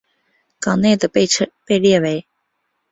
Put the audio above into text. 港内的被列为。